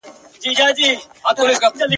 زلمي خپه دي څنګونه مړاوي ..